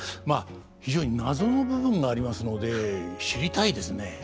まあ非常に謎の部分がありますので知りたいですね。